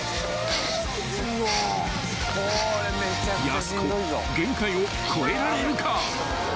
［やす子限界を超えられるか］